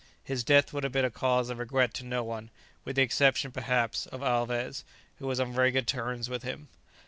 His death would have been a cause of regret to no one, with the exception, perhaps, of Alvez, who was on very good terms with him.